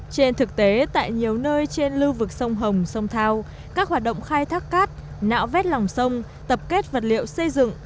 trên thực tế tại nhiều nơi trên lưu vực sông hồng sông thao các hoạt động khai thác cát nạo vét lòng sông tập kết vật liệu xây dựng